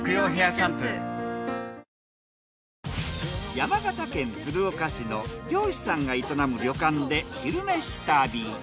山形県鶴岡市の漁師さんが営む旅館で「昼めし旅」。